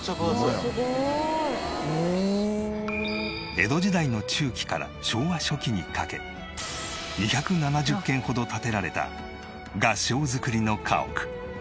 江戸時代の中期から昭和初期にかけ２７０軒ほど建てられた合掌造りの家屋。